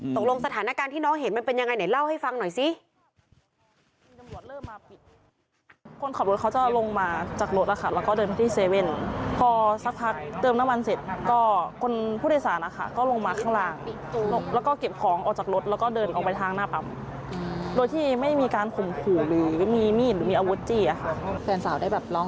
สถานการณ์ที่น้องเห็นมันเป็นยังไงไหนเล่าให้ฟังหน่อยสิ